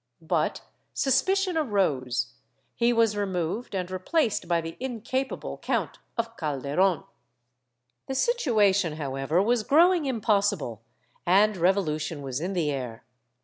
but susi]dcion arose; he was removed and replaced by the incapable Count of Calderon. The situation, however, was growing impossible, and revolution was in the air.